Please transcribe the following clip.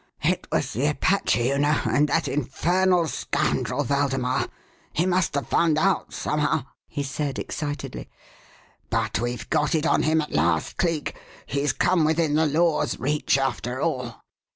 It was the Apache, you know and that infernal scoundrel Waldemar: he must have found out somehow," he said excitedly. "But we've got it on him at last, Cleek: he's come within the law's reach after all."